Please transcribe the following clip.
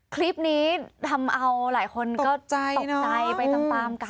คลิปนี้ทำเอาหลายคนตกใจไปต่ำกล้ามกัน